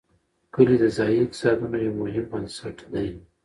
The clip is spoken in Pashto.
کلي د ځایي اقتصادونو یو مهم بنسټ دی.